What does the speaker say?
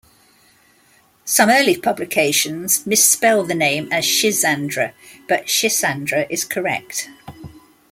Some early publications misspell the name as "Schizandra," but "Schisandra" is correct.